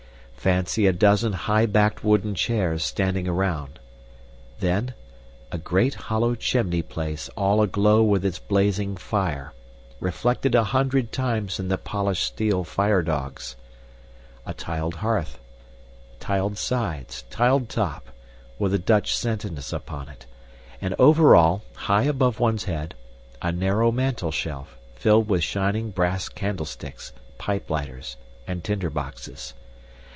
Fancy a dozen high backed wooden chairs standing around; then a great hollow chimney place all aglow with its blazing fire, reflected a hundred times in the polished steel firedogs; a tiled hearth, tiled sides, tiled top, with a Dutch sentence upon it; and over all, high above one's head, a narrow mantleshelf, filled with shining brass candlesticks, pipe lighters, and tinderboxes.